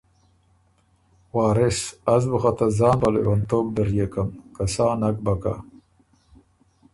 وارث: از بُو خه ته ځان په لېونتوب ډريېکم۔ که سا نک بَۀ که